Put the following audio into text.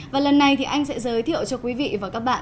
và lần này thì anh sẽ giới thiệu cho quý vị và các bạn